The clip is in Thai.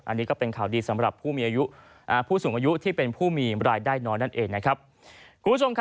อันนี้ก็เป็นข่าวดีสำหรับผู้สูงอายุที่เป็นผู้มีระดายน้อยนั่นเอง